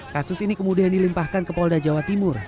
kasus ini kemudian dilimpahkan ke polda jawa timur